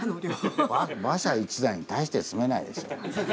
馬車１台に大して積めないでしょ。